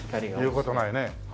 いう事ないね。